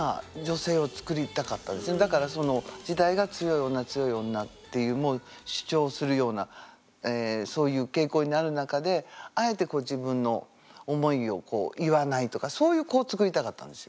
だからその時代が強い女強い女っていうもう主張するようなそういう傾向にある中であえてそういう子をつくりたかったんですよ。